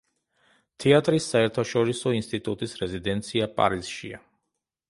თეატრის საერთაშორისო ინსტიტუტის რეზიდენცია პარიზშია.